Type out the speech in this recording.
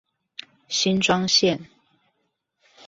新莊線